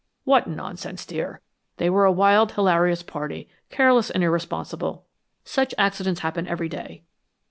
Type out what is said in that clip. "What nonsense, dear! They were a wild, hilarious party, careless and irresponsible. Such accidents happen every day."